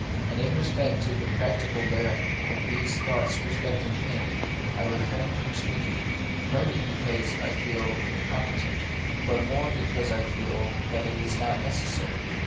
And in respect to the practical bearing of these thoughts respecting pain, I refrain from speaking, partly because I feel incompetent, but more because I feel that it is not neces sary.